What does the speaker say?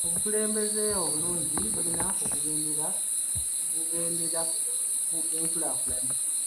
Obukulembeze obulungi bulina kugenderera enkulaakulana.